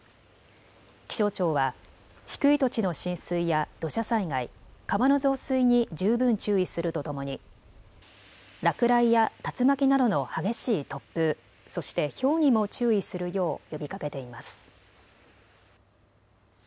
気象庁は低い土地の浸水や土砂災害、川の増水に十分注意するとともに落雷や竜巻などの激しい突風、そしてひょうにも注意するよう呼びかけています。